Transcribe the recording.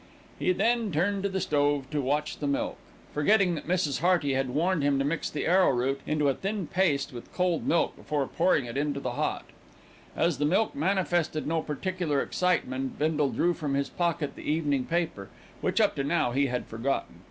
He then turned to the stove to watch the milk, forgetting that Mrs. Hearty had warned him to mix the arrowroot into a thin paste with cold milk before pouring on to it the hot. As the milk manifested no particular excitement, Bindle drew from his pocket the evening paper which, up to now, he had forgotten.